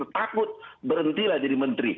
takut berhenti lah jadi menteri